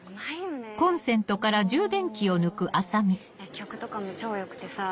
曲とかも超良くてさ。